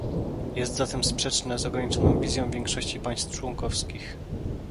Jest zatem sprzeczne z ograniczoną wizją większości państw członkowskich